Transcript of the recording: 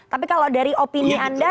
tapi kalau dari opini anda